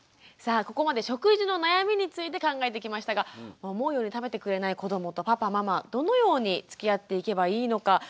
さあここまで食事の悩みについて考えてきましたが思うように食べてくれない子どもとパパママどのようにつきあっていけばいいのか